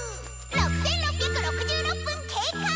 ６６６６分経過！